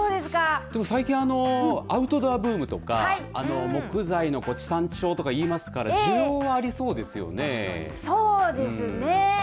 最近アウトドアブームとか木材の地産地消とか言いますからそうですね。